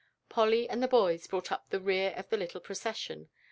Polly and the boys brought up the rear of the little procession.